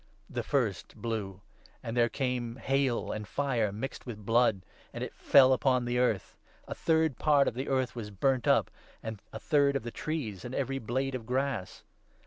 The first blew ; and there came hail and fire mixed with 7 blood, and it fell upon the earth. A third part of the earth was burnt up, and a third of the trees, and every blade of grass.